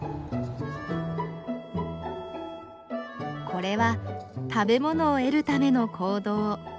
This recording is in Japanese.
これは食べ物を得るための行動。